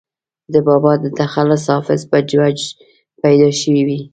دَبابا دَ تخلص “حافظ ” پۀ وجه پېدا شوې وي